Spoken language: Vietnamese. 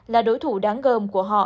là đối thủ đáng gồm của họ